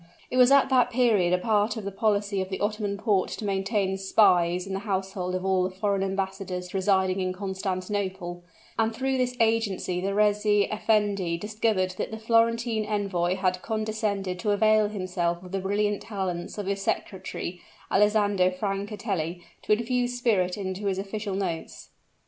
It was at that period a part of the policy of the Ottoman Port to maintain spies in the household of all the foreign embassadors residing in Constantinople; and through this agency the reis effendi discovered that the Florentine envoy had condescended to avail himself of the brilliant talents of his secretary, Alessandro Francatelli, to infuse spirit into his official notes.